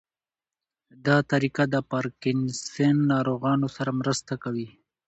دا طریقه د پارکینسن ناروغانو سره مرسته کوي.